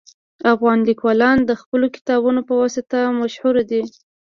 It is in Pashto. افغان لیکوالان د خپلو کتابونو په واسطه مشهور دي